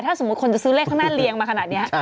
ถ้าสมมุติคนจะซื้อเลขข้างหน้าเรียงมาขนาดนี้